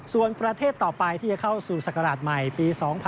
ส่วนประเทศต่อไปที่จะเข้าสู่ศักราชใหม่ปี๒๕๖๒